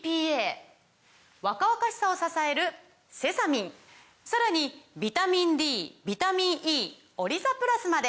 若々しさを支えるセサミンさらにビタミンＤビタミンＥオリザプラスまで！